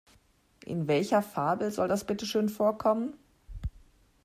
In welcher Fabel soll das bitte schön vorkommen?